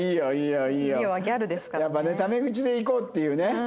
やっぱねタメ口でいこうっていうね。